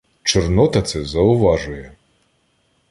Чорнота це зауважує.